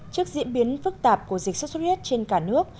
trước diễn biến phức tạp của dịch sốt xuất huyết trên cả nước